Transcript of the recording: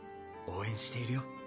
応援しているよ。